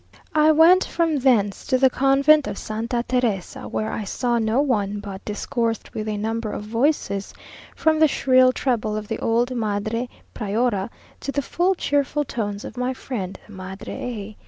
I went from thence to the convent of Santa Teresa, where I saw no one, but discoursed with a number of voices, from the shrill treble of the old Madre Priora, to the full cheerful tones of my friend the Madre A